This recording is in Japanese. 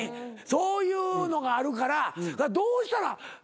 そういうのがあるからどうしたらどこを直したら。